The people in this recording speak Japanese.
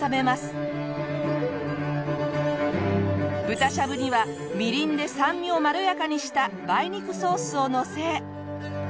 豚しゃぶにはみりんで酸味をまろやかにした梅肉ソースをのせ。